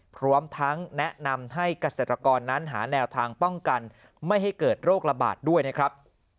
พร้อมทั้งแนะนำให้เกษตรกรนั้นหาแนวทางป้องกันไม่ให้เกิดโรคระบาดด้วยนะครับ